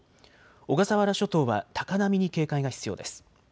小笠原諸島は高波に警戒が必要です。